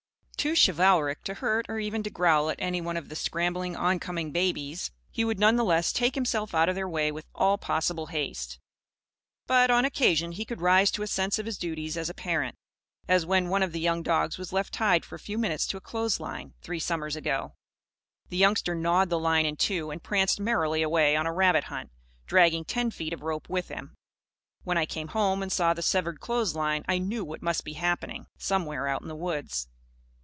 Too chivalric to hurt or even to growl at any of the scrambling oncoming babies, he would none the less take himself out of their way with all possible haste. But, on occasion, he could rise to a sense of his duties as a parent. As when one of the young dogs was left tied for a few minutes to a clothesline, three summers ago. The youngster gnawed the line in two and pranced merrily away on a rabbit hunt, dragging ten feet of rope with him. When I came home and saw the severed clothesline, I knew what must be happening, somewhere out in the woods.